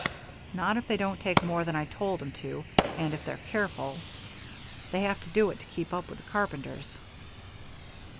"Not if they don't take more than I told 'em to and if they're careful. They have to do it to keep up with the carpenters."